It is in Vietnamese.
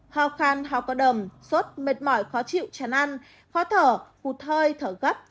hoa khan hoa có đầm sốt mệt mỏi khó chịu chán ăn khó thở hụt hơi thở gấp